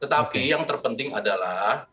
tetapi yang terpenting adalah